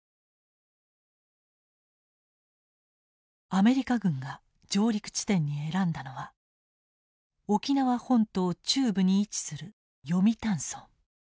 アメリカ軍が上陸地点に選んだのは沖縄本島中部に位置する読谷村。